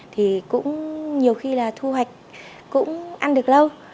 thì cũng nhiều khi là thu hoạch cũng ăn được lâu